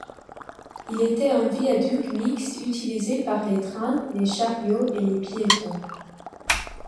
Il était un viaduc mixte utilisée par les trains, les charriots et les piétons.